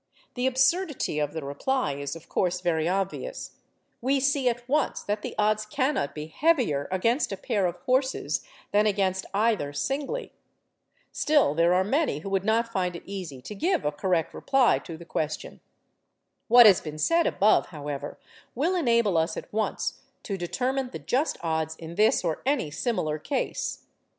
The absurdity of the reply is, of course, very obvious; we see at once that the odds cannot be heavier against a pair of horses than against either singly. Still, there are many who would not find it easy to give a correct reply to the question. What has been said above, however, will enable us at once to determine the just odds in this or any similar case.